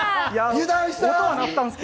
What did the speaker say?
油断した！